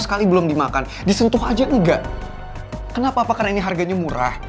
karena ini harganya murah